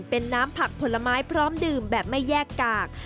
เป็นน้ำผักผลไม้พร้อมดื่มแบบไม่แยกกาก